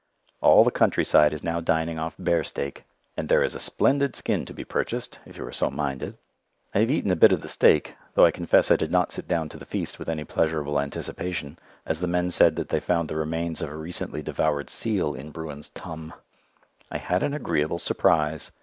All the countryside is now dining off bear steak; and there is a splendid skin to be purchased if you are so minded. I have eaten a bit of the steak, though I confess I did not sit down to the feast with any pleasurable anticipation, as the men said that they found the remains of a recently devoured seal in Bruin's "tum." I had an agreeable surprise.